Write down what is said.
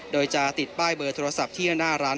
โดยจะติดป้ายบททศพด้านหน้าร้าน